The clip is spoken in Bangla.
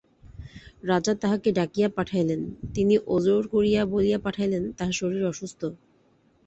রাজা তাঁহাকে ডাকিয়া পাঠাইলেন, তিনি ওজর করিয়া বলিয়া পাঠাইলেন তাঁহার শরীর অসুস্থ।